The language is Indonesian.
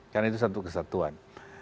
karena itu satu kesatuan